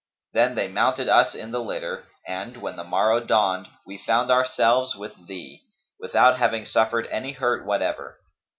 Then they mounted us in the litter and, when the morrow dawned, we found ourselves with thee, without having suffered any hurt whatever."